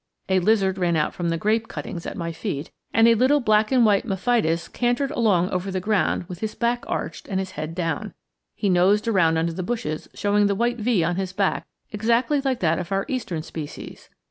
A lizard ran out from the grape cuttings at my feet, and a little black and white mephitis cantered along over the ground with his back arched and his head down. He nosed around under the bushes, showing the white V on his back, exactly like that of our eastern species.